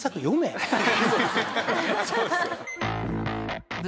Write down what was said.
そうですよね。